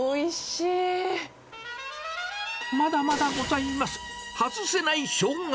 まだまだございます。